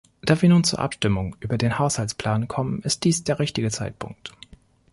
Da wir nun zur Abstimmung über den Haushaltsplan kommen, ist dies der richtige Zeitpunkt.